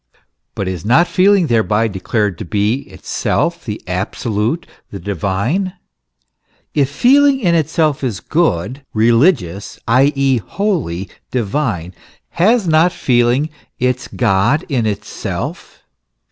But is not feeling thereby declared to be itself the absolute, the divine ? If feeling in itself is good, religious, i.e., holy, divine, has not feeling its God in itself?